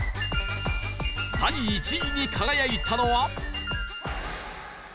第１位に輝いたのは